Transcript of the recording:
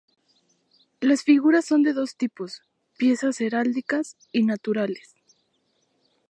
Las figuras son de dos tipos, piezas heráldicas y naturales.